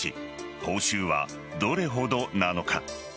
報酬は、どれほどなのか。